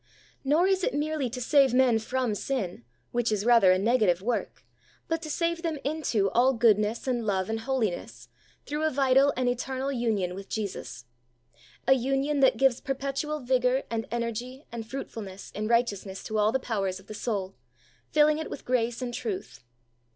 Nor is it merely to save men from sin, which is rather a negative work, but to save them into all goodness and love and holiness through a vital and eternal union with Jesus — a union that gives perpetual vigor and energy and fruitfulness in righteous ness to all the powers of the soul, filling it with grace and truth.